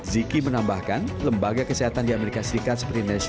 ziki menambahkan lembaga kesehatan di amerika serikat seperti indonesia